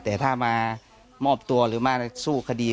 แต่ถ้ามามอบตัวหรือมาสู้คดี